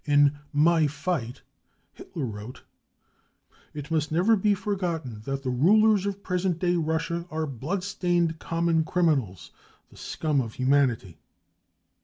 In My Fight> Hitler wrote : "It must never be forgotten that the rulers of present day Russia are bloodstained common criminals, the scum of humanity."